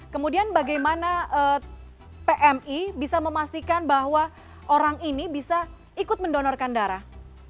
kemudian bagaimana pmi bisa memastikan bahwa orang ini bisa ikut mendonorkan darah